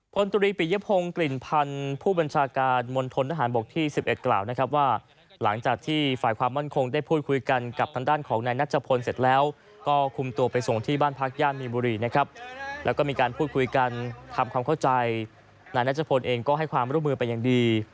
ตุรีปิยพงศ์กลิ่นพันธ์ผู้บัญชาการมณฑนทหารบกที่๑๑กล่าวนะครับว่าหลังจากที่ฝ่ายความมั่นคงได้พูดคุยกันกับทางด้านของนายนัชพลเสร็จแล้วก็คุมตัวไปส่งที่บ้านพักย่านมีบุรีนะครับแล้วก็มีการพูดคุยกันทำความเข้าใจนายนัชพลเองก็ให้ความร่วมมือเป็นอย่างดี